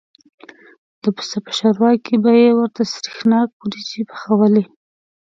د پسه په شوروا کې به یې ورته سرېښناکه وریجې پخوالې.